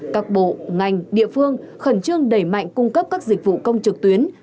các bộ ngành địa phương khẩn trương đẩy mạnh cung cấp các dịch vụ công trực tuyến